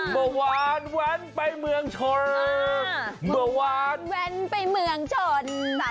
มะวานวันไปเมืองชน